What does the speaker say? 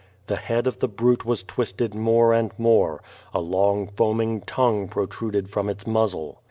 The head of the brute was twisted more and more. A long, foaming tongue protruded from its muzzle.